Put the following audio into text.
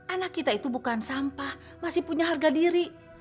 anak kita itu bukan sampah masih punya harga diri